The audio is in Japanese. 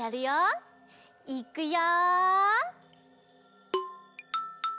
いくよ！